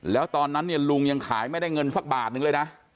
แล้วตอนนั้นเนี่ยลุงยังขายไม่ได้เงินสักบาทนึงเลยนะ